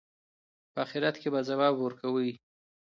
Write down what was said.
په آخرت کې به ځواب ورکوئ.